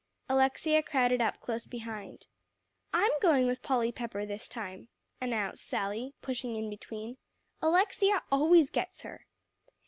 Alexia crowded up close behind. "I'm going with Polly Pepper, this time," announced Sally, pushing in between; "Alexia always gets her."